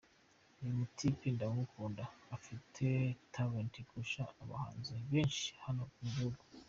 Uyu mu type ndamukunda, afite talent kurusha abahanzi benshi hano mu gihugu.